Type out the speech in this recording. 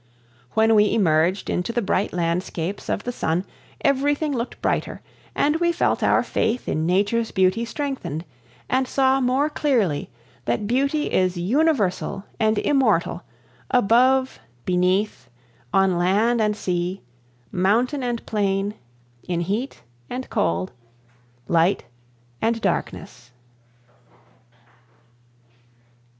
When we emerged into the bright landscapes of the sun everything looked brighter, and we felt our faith in Nature's beauty strengthened, and saw more clearly that beauty is universal and immortal, above, beneath, on land and sea, mountain and plain, in heat and cold, light and darkness.